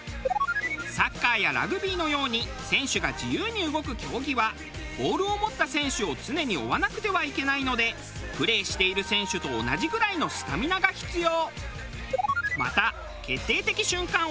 サッカーやラグビーのように選手が自由に動く競技はボールを持った選手を常に追わなくてはいけないのでプレーしている選手と同じぐらいのスタミナが必要。